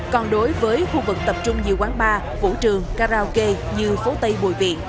còn đối với khu vực tập trung như quán bar vũ trường karaoke như phố tây bùi viện